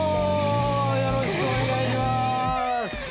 よろしくお願いします。